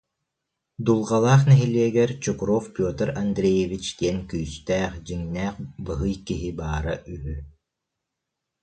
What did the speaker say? Дулҕалаах нэһилиэгэр Чукров Петр Андреевич диэн күүстээх, дьиҥнээх быһый киһи баара үһү